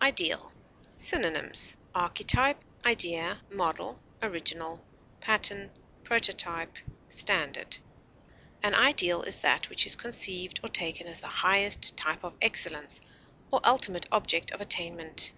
IDEAL. Synonyms: archetype, model, pattern, prototype, standard. idea, original, An ideal is that which is conceived or taken as the highest type of excellence or ultimate object of attainment.